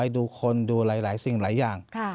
ดูคนดูหลายสิ่งหลายอย่าง